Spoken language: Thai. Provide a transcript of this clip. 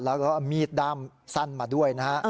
แล้วก็เอามีดด้ามสั้นมาด้วยนะฮะ